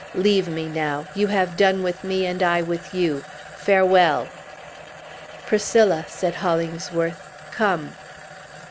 Leave me, now. You have done with me, and I with you. Farewell!" "Priscilla," said Hollingsworth, "come."